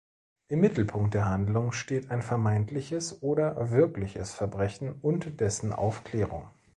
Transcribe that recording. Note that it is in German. Im Mittelpunkt der Handlung steht ein vermeintliches oder wirkliches Verbrechen und dessen Aufklärung.